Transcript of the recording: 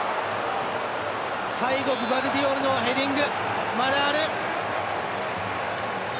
最後グバルディオルのヘディング。